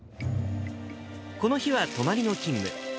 この日は泊まりの勤務。